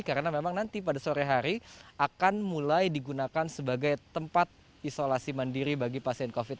karena memang nanti pada sore hari akan mulai digunakan sebagai tempat isolasi mandiri bagi pasien covid sembilan belas